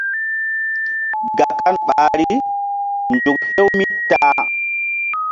Gakan ɓahri: nzuk hew mi ta-a.